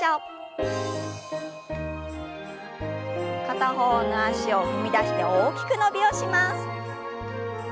片方の脚を踏み出して大きく伸びをします。